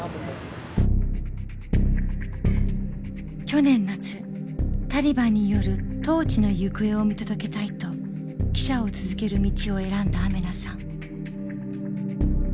去年夏タリバンによる統治の行方を見届けたいと記者を続ける道を選んだアメナさん。